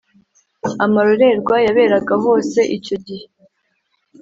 amarorerwa yaberaga hose icyo gihe?